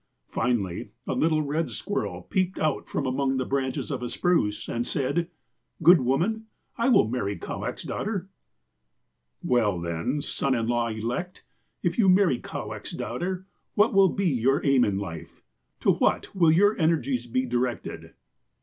"Finally, a little red squirrel peeped out from among the branches of a spruce, and said :" 'Good woman, I will marry Kowak's daughter.' " 'Well, then, son in law elect, if you marry Kowak's daughter, what will be your aim in life ? To what will your energies be directed